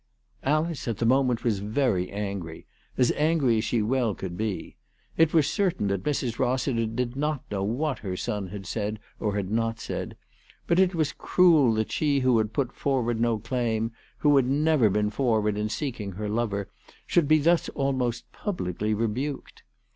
Alice at the moment was very angry, as angry as she well could be. It was certain that Mrs. Rossiter did not know what her son had said or had not said. But it was cruel that she who had put forward no claim, who had never been forward in seeking her lover, should be thus almost publicly rebuked.